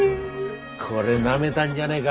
これなめたんじゃねえが？